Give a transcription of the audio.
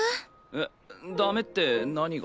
えっダメって何が？